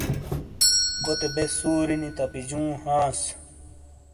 کوتے بے سوری نی تپجوں ہانس